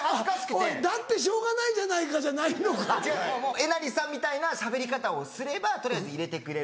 えなりさんみたいなしゃべり方をすれば取りあえず入れてくれる。